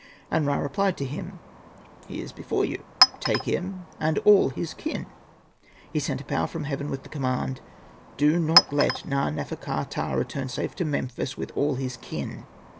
And Ra replied to him, 'He is before you^ take him and all his kin.' He sent a power from heaven with the command, * Do not let Na. nefer.ka.ptah return safe to Memphis with all his kin.'